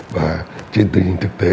và trên tình hình thực tế